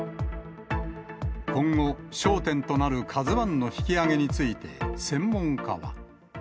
今後、焦点となるカズワンの引き揚げについて、専門家は。